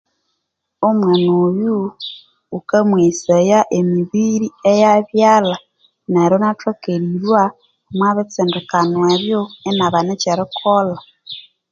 Omwana oyu ghuka mweghesaya emibiri eya ebyalha neryo inathoka erilhwa omwa bitsindikano ebyo inabana ekyerikolha